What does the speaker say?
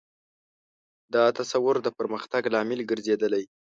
دا تصور د پرمختګ لامل ګرځېدلی.